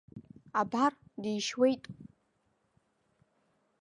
Абар, дишьуеит.